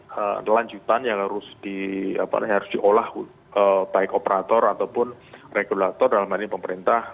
kelanjutan yang harus diolah baik operator ataupun regulator dalam hal ini pemerintah